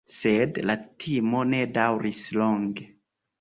Sed la timo ne daŭris longe.